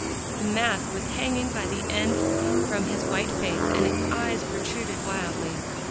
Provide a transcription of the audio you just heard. The mask was hanging by one end from his white face, and his eyes protruded wildly.